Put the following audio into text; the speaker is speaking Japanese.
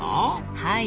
はい。